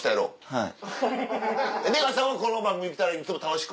はい。